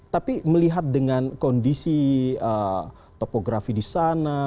tapi melihat dengan kondisi topografi di sana